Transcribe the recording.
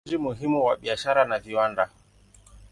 Ni mji muhimu wa biashara na viwanda.